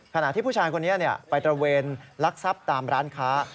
ขณะที่ผู้ชายคนนี้ไปตระเวนลักทรัพย์ตามร้านค้า